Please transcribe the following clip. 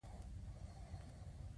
بودیجه د عوایدو او مصارفو وړاندوینه ده.